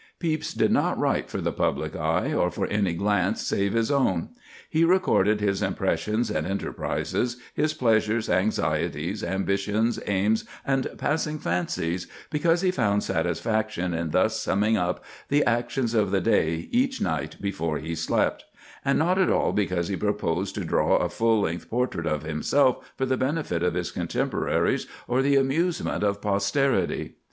Pepys did not write for the public eye, or for any glance save his own; he recorded his impressions and enterprises, his pleasures, anxieties, ambitions, aims, and passing fancies because he found satisfaction in thus summing up "the actions of the day each night before he slept"; and not at all because he proposed to draw a full length portrait of himself for the benefit of his contemporaries or the amusement of posterity.